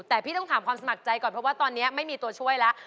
แต่พี่ต้องถามความสมัครใจก่อนเพราะว่าตอนนี้ไม่มีตัวช่วยแล้ว